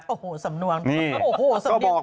โอ้โหสำนวงโอ้โหสำนวงไป